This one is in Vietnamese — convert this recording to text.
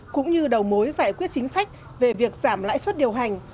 cũng như đầu mối giải quyết chính sách về việc giảm lãi suất điều hành